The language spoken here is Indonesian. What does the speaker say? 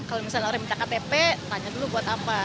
kalau misalnya orang minta ktp tanya dulu buat apa